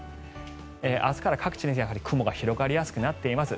明日から各地で雲が広がりやすくなっています。